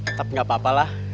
tetap nggak apa apalah